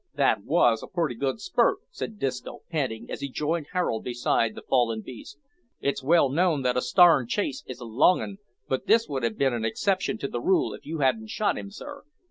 "That wos a pretty good spurt," said Disco, panting, as he joined Harold beside the fallen beast. "It's well known that a starn chase is a long 'un, but this would have been an exception to the rule if you hadn't shot him, sir.